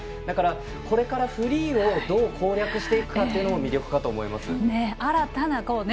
だから、これからフリーをどう攻略していくかも魅力かと思います。